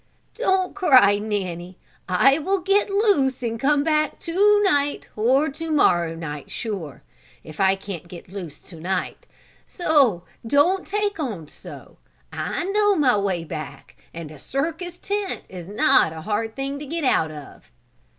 "Don't cry, Nanny. I will get loose and come back to night, or to morrow night sure, if I can't get loose to night; so don't take on so. I know my way back and a circus tent is not a hard thing to get out of."